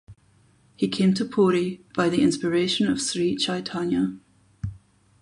He came to Puri by the inspiration of Sri Chaitanya.